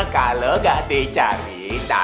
kalau enggak dicari